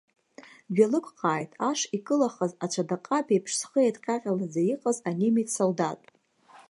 Дҩалықәҟааит, ашш икылахаз ацәада-ҟаб еиԥш зхы еидҟьаҟьалаӡа иҟаз анемец солдаҭ.